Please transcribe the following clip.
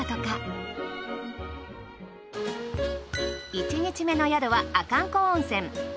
１日目の宿は阿寒湖温泉。